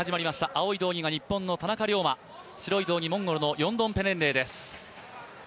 青い道着が日本の田中龍馬、白い道着、モンゴルのヨンドンペレンレイです。